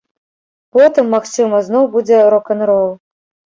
Потым, магчыма, зноў будзе рок-н-рол.